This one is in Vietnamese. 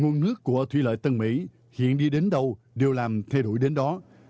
nguồn nước của thủy lợi tân mỹ hiện đi đến đâu đều làm thay đổi đến đó